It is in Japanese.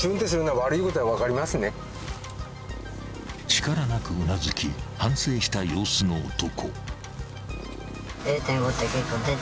［力なくうなずき反省した様子の男］